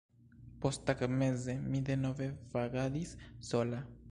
Posttagmeze mi denove vagadis sola.